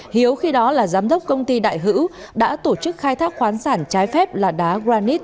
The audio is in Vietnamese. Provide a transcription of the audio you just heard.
hiếu khi đó là giám đốc công ty đại hữu đã tổ chức khai thác khoán sản trái phép là đá granite